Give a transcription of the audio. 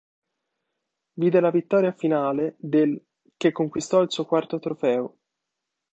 Vide la vittoria finale dell', che conquistò il suo quarto trofeo.